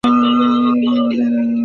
বাঙালীর শরীর মার্কিনদের মত নয়।